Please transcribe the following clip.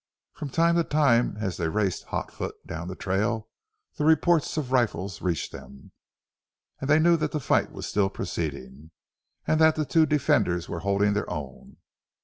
From time to time as they raced hot foot down the trail the reports of rifles reached them, and they knew that the fight was still proceeding, and that the two defenders were holding their own.